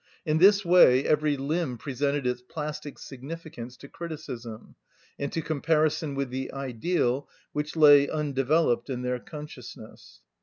In this way every limb presented its plastic significance to criticism, and to comparison with the ideal which lay undeveloped in their consciousness.